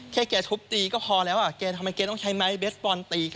แค่แกชุบตีก็พอแล้วทำไมแกต้องใช้ไม้เบสปอลตี